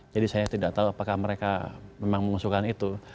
jadi saya tidak tahu apakah mereka memang mengusulkan itu